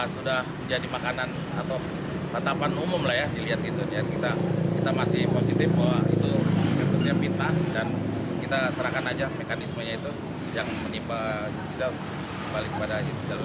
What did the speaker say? sudah jadi makanan atau tatapan umum lah ya kita masih positif bahwa itu pintar dan kita serahkan aja mekanismenya itu yang menimpa